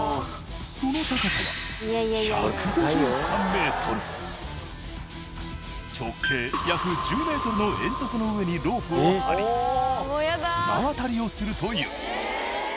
その高さは直径約１０メートルの煙突の上にロープを張り綱渡りをするという。